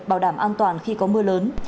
bảo đảm an toàn khi có mưa lớn